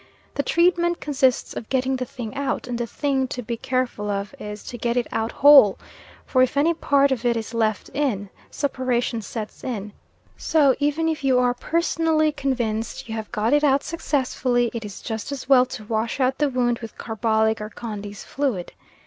The treatment consists of getting the thing out, and the thing to be careful of is to get it out whole, for if any part of it is left in, suppuration sets in, so even if you are personally convinced you have got it out successfully it is just as well to wash out the wound with carbolic or Condy's fluid.